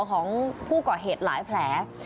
ของผู้ก่อเหตุหลายแผล